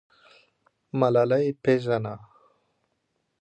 ملالۍ پیژنه.